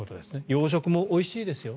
洋食もおいしいですよ。